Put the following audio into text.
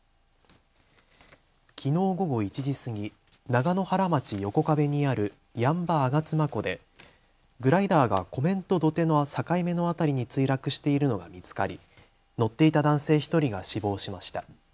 きのう午後１時過ぎ、長野原町横壁にある八ッ場あがつま湖でグライダーが湖面と土手の境目の辺りに墜落しているのが見つかり乗っていた男性１人が死亡しました。